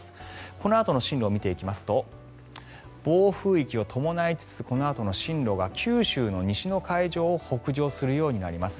このあとの進路を見ていきますと暴風域を伴いつつこのあとの進路は九州の西の海上を北上するようになります。